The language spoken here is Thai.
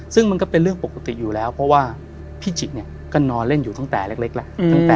ซึ่งมันก็เป็นเรื่องปกติอยู่แล้วเพราะว่าพี่จิกเนี่ยก็นอนเล่นอยู่ตั้งแต่เล็กแล้ว